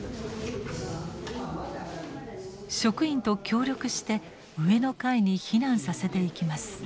職員と協力して上の階に避難させていきます。